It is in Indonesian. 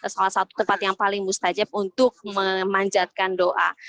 salah satu tempat yang paling mustajab untuk memanjatkan doa